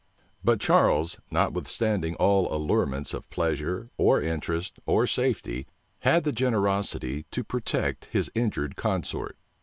But Charles, notwithstanding all allurements of pleasure, or interest, or safety, had the generosity to protect his injured consort.